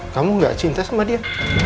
kamu gak cinta sama dia